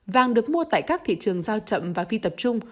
vàng được mua tại các thị trường giao chậm và phi tập trung